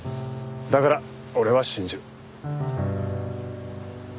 だから俺は信じる。